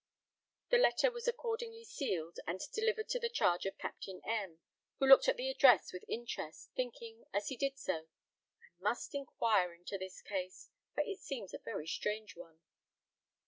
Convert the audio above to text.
The letter was accordingly sealed and delivered to the charge of Captain M , who looked at the address with interest, thinking, as he did so, "I must inquire into this case, for it seems a very strange one."